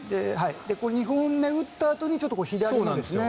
２本目打ったあとに左のですね。